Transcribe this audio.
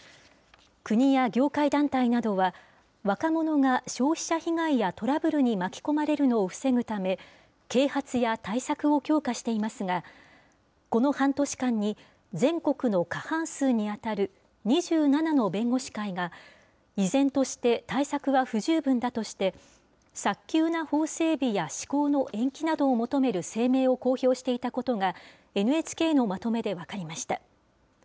国や業界団体などは、若者が消費者被害やトラブルに巻き込まれるのを防ぐため、啓発や対策を強化していますが、この半年間に、全国の過半数に当たる２７の弁護士会が、依然として対策は不十分だとして、早急な法整備や施行の延期などを求める声明を公表していたことが、ＮＨＫのまとめで分かりました。